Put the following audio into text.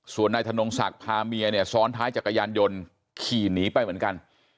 ส่วนนายธนงศักดิ์พาเมียเนี่ยซ้อนท้ายจักรยานยนต์ขี่หนีไปเหมือนกัน